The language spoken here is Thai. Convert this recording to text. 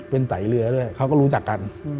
เป็นไตเรือด้วยเขาก็รู้จักกัน